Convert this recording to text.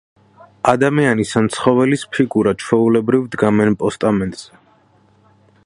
ადამიანის ან ცხოველის ფიგურა, ჩვეულებრივ, დგამენ პოსტამენტზე.